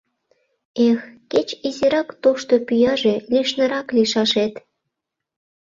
Эх, кеч изирак тошто пӱяже лишнырак лийшашет!